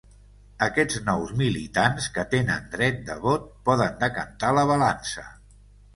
Aquests nous militants, que tenen dret de vot, poden decantar la balança.